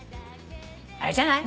あれじゃない？